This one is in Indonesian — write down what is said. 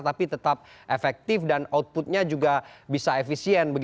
tapi tetap efektif dan outputnya juga bisa efisien